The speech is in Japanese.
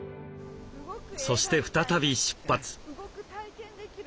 そして再び出発。